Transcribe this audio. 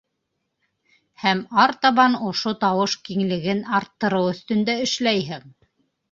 Һәм артабан ошо тауыш киңлеген арттырыу өҫтөндә эшләйһең.